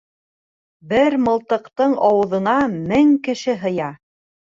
Бер мылтыҡтың ауыҙына мең кеше һыя.